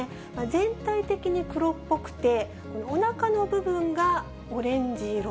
全体的に黒っぽくて、おなかの部分がオレンジ色。